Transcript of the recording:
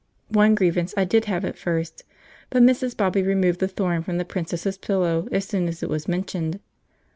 One grievance I did have at first, but Mrs. Bobby removed the thorn from the princess' pillow as soon as it was mentioned.